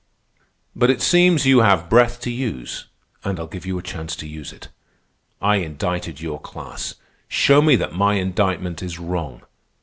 "But it seems you have breath to use, and I'll give you a chance to use it. I indicted your class. Show me that my indictment is wrong.